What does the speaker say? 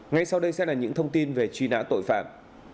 ngay sau đây sẽ là những thông tin về truy nã tội phạm